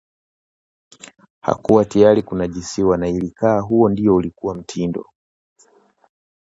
Hakuwa tayari kunajisiwa, na ilikaa huo ndio ungekuwa mtindo